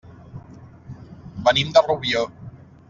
Venim de Rubió.